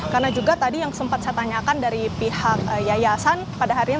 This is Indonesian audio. karena juga tadi yang sempat saya tanyakan dari pihak yayasan